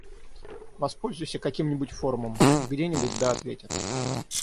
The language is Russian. Воспользуйся каким-нибудь форумом. Где-нибудь, да ответят.